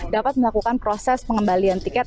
dapat melakukan proses pengembalian tiket